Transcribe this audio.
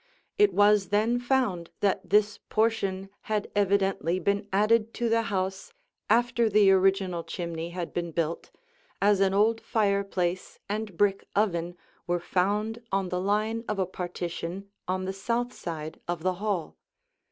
It was then found that this portion had evidently been added to the house after the original chimney had been built, as an old fireplace and brick oven were found on the line of a partition on the south side of the hall.